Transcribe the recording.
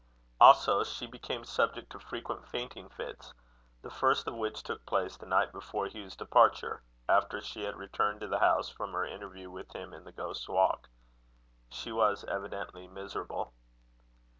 Also, she became subject to frequent fainting fits, the first of which took place the night before Hugh's departure, after she had returned to the house from her interview with him in the Ghost's Walk. She was evidently miserable.